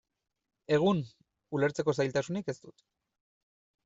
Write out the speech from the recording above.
Egun, ulertzeko zailtasunik ez dut.